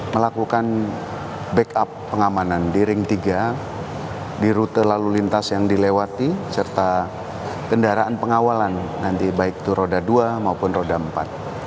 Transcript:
melakukan backup pengamanan di ring tiga di rute lalu lintas yang dilewati serta kendaraan pengawalan nanti baik itu roda dua maupun roda empat